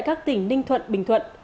và các tỉnh ninh thuận bình thuận